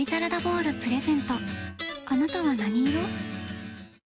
あなたは何色？